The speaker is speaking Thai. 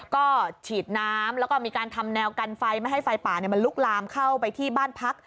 ก็ฉีดน้ำแล้วก็มีการทำแนวกันไฟไม่ให้ไฟป่ามันลุกลามเข้าไปที่บ้านพัก